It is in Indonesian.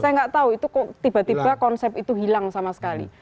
saya nggak tahu itu kok tiba tiba konsep itu hilang sama sekali